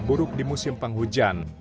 buruk di musim penghujan